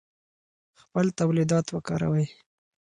خپل تولیدات وکاروئ.